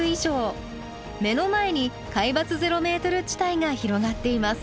目の前に海抜ゼロメートル地帯が広がっています。